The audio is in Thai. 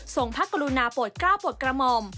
ส่งพระกรุณาปวดกล้าวปวดกระหม่อม